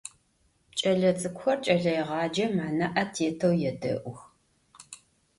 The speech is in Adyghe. Ç'elets'ık'uxer ç'eleêğacem ana'e têteu yêde'ux.